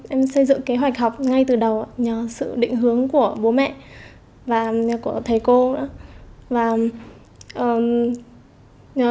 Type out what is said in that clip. em xây dựng kế hoạch học ngay từ đầu nhờ sự định hướng của bố mẹ và của thầy cô và